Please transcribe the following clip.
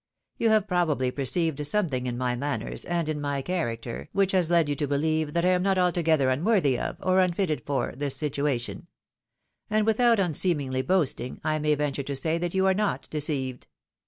You have probably perceived something in my manners, and in my character, which has led you to believe that I am not altogether unworthy of, or tmfitted for, this situation ; and without un seemly boasting, I may venture to say that you are not deceived.